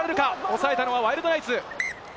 抑えたのはワイルドナイツ。